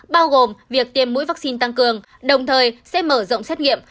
bao gồm việc tiêm mũi vaccine tăng cường đồng thời sẽ mở rộng xét nghiệm